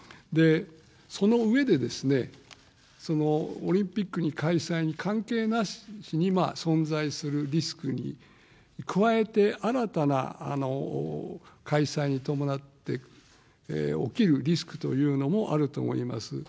その上で、オリンピック開催に関係なしに存在するリスクに加えて、新たな、開催に伴って起きるリスクというのもあると思います。